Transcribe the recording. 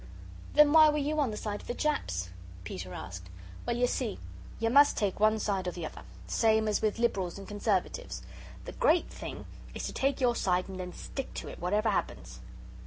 "Then why were you on the side of the Japs?" Peter asked. "Well, you see, you must take one side or the other. Same as with Liberals and Conservatives. The great thing is to take your side and then stick to it, whatever happens."